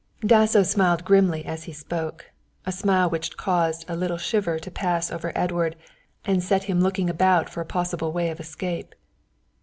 Dasso smiled grimly as he spoke, a smile which caused a little shiver to pass over Edward and set him looking about him for a possible way of escape.